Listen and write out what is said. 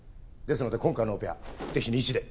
ですので今回のオペはぜひ西で。